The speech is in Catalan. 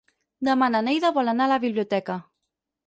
Demà na Neida vol anar a la biblioteca.